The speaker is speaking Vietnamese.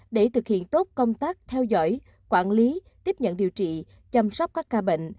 để thực hiện tốt công tác theo dõi quản lý tiếp nhận điều trị chăm sóc các ca bệnh